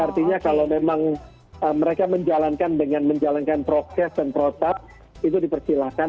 artinya kalau memang mereka menjalankan dengan menjalankan prokes dan protap itu dipersilahkan